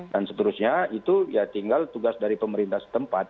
dan seterusnya itu ya tinggal tugas dari pemerintah setempat